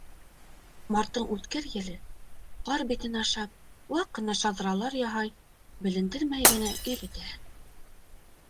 Марттың үткер еле, ҡар битен ашап, ваҡ ҡына шаҙралар яһай, белендермәй генә иретә.